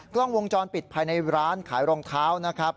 กล้องวงจรปิดภายในร้านขายรองเท้านะครับ